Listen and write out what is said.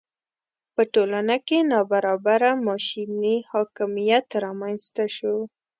په ټولنه کې ناببره ماشیني حاکمیت رامېنځته شو.